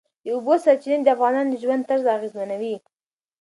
د اوبو سرچینې د افغانانو د ژوند طرز اغېزمنوي.